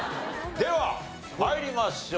では参りましょう。